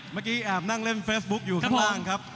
เมื่อกี้แอบนั่งเล่นเฟซบุ๊คอยู่ข้างล่างครับ